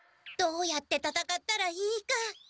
どうやって戦ったらいいか。